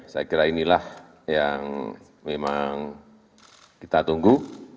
saya kira inilah yang memang kita tunggu